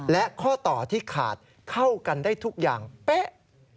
และข้อต่อที่ขาดเข้ากันได้ทุกอย่างเป๊ะ